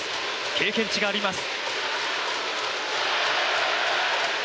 経験値があります。